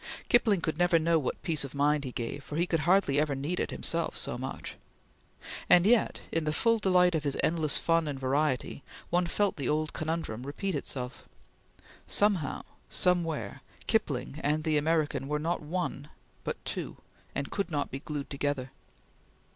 Kipling could never know what peace of mind he gave, for he could hardly ever need it himself so much; and yet, in the full delight of his endless fun and variety, one felt the old conundrum repeat itself. Somehow, somewhere, Kipling and the American were not one, but two, and could not be glued together.